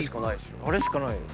あれしかないよ。